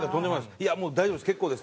「いやもう大丈夫です。